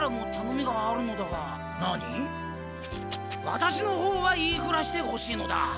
ワタシのほうは言いふらしてほしいのだ。